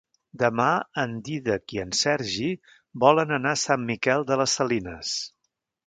Demà en Dídac i en Sergi volen anar a Sant Miquel de les Salines.